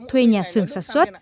thuê nhà xưởng sản xuất